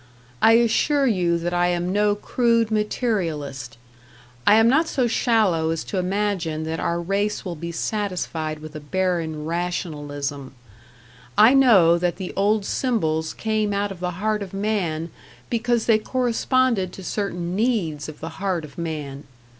I assure you that I am no crude materialist, I am not so shallow as to imagine that our race will be satisfied with a barren rationalism. I know that the old symbols came out of the heart of man because they corresponded to certain needs of the heart of man.